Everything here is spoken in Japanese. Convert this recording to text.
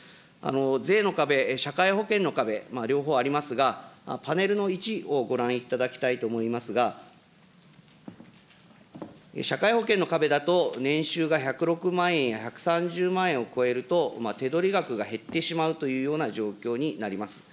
税の壁、社会保険の壁、両方ありますが、パネルの１をご覧いただきたいと思いますが、社会保険の壁だと年収が１０６万円や１３０万円を超えると、手取り額が減ってしまうというような状況になります。